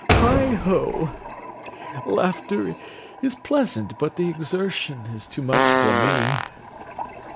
he! Heigho! Laughter is pleasant, but the exertion is too much for me.